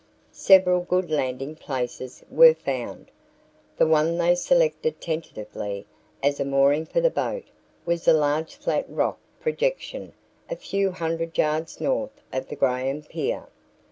Several good landing places were found. The one they selected tentatively as a mooring for the boat was a large flat rock projection a few hundred yards north of the Graham pier.